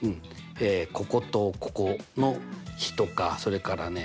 こことここの比とかそれからね